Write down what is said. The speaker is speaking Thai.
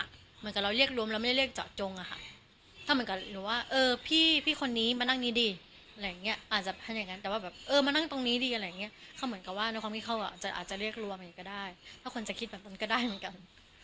เหมือนกับเราเรียกรวมแล้วไม่ได้เรียกเจาะจงอะค่ะถ้าเหมือนกับหนูว่าเออพี่พี่คนนี้มานั่งนี้ดิอะไรอย่างเงี้ยอาจจะเป็นอย่างนั้นแต่ว่าแบบเออมานั่งตรงนี้ดีอะไรอย่างเงี้ยเขาเหมือนกับว่าในความที่เขาอาจจะเรียกรวมอย่างนี้ก็ได้ถ้าคนจะคิดแบบนั้นก็ได้เหมือนกัน